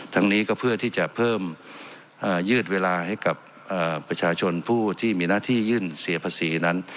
ทั้งนี้ก็เพื่อที่จะเพิ่มยืดเวลาให้กับประชาชนผู้ที่มีหน้าที่ยื่นเสียภาษีนั้น